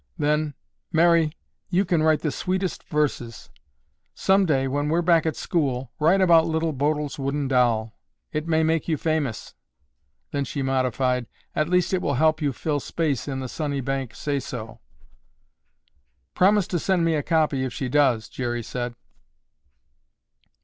Then, "Mary, you can write the sweetest verses. Someday when we're back at school, write about Little Bodil's wooden doll. It may make you famous." Then she modified, "At least it will help you fill space in 'The Sunnybank Say So.'" "Promise to send me a copy if she does," Jerry said.